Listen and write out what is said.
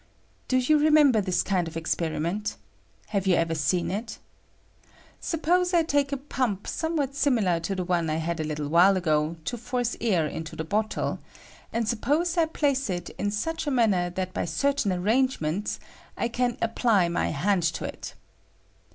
Do you remember this kind of experiment? have you ever seen it? Suppose I take a pump somewhat similar to the one I had a httle while ago to force air into the bottle, and suppose I place it in such a manner that by certain arrangements I can apply my hand to it.